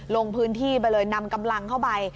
ลงพื้นที่ไปเลยนำกำลังเข้าไป